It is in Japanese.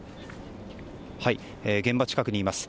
現場近くにいます。